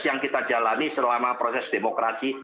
yang kita jalani selama proses demokrasi